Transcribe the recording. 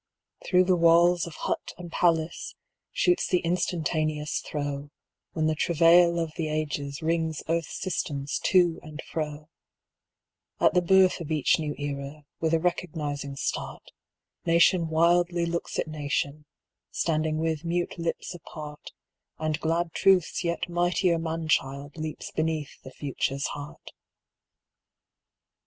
Through the walls of hut and palace shoots the instantaneous throe, When the travail of the Ages wrings earth's systems to and fro; At the birth of each new Era, with a recognizing start, Nation wildly looks at nation, standing with mute lips apart, And glad Truth's yet mightier man child leaps beneath the Future's heart.